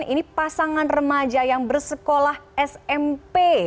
ini pasangan remaja yang bersekolah smp